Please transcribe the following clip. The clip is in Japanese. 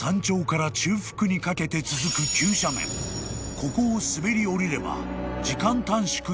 ［ここを滑り降りれば時間短縮になる］